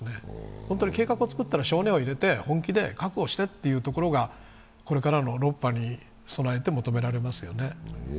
本当に計画をつくったら性根を入れて本気で覚悟してということがこれからの６波に備えて求められますよね。